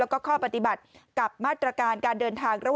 แล้วก็ข้อปฏิบัติกับมาตรการการเดินทางระหว่าง